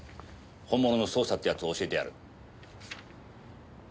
本物の捜査ってやつを教えてやる。